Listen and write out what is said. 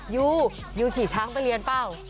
ยูยูขี่ช้างไปเรียนเปล่า